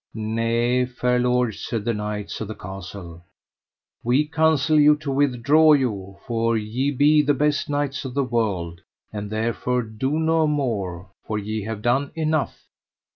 Nay, fair lords, said the knights of the castle, we counsel you to withdraw you, for ye be the best knights of the world, and therefore do no more, for ye have done enough.